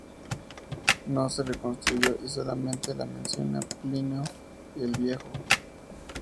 No se reconstruyó y solamente la menciona Plinio el Viejo.